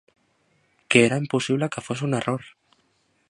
Que era impossible que fos un error!